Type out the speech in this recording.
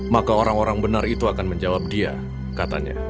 maka orang orang benar itu akan menjawab dia katanya